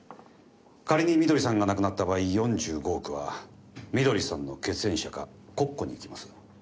仮に美登里さんが亡くなった場合４５億は美登里さんの血縁者か国庫にいきます。